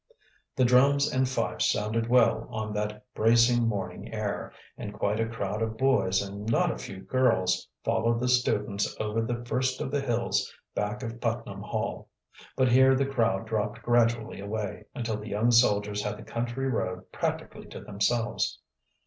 The drums and fifes sounded well on that bracing morning air, and quite a crowd of boys and not a few girls followed the students over the first of the hills back of Putnam Hall. But here the crowd dropped gradually away, until the young soldiers had the country road practically to themselves.